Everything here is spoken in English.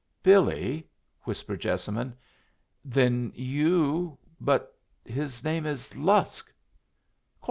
"Billy?" whispered Jessamine. "Then you But his name is Lusk!"